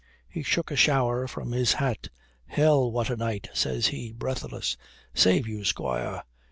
He shook a shower from his hat. "Hell! What a night," says he, breathless. "Save you, squire!"